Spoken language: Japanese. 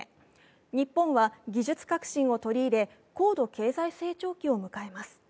日本は技術革新を取り入れ、高度経済成長期を迎えます。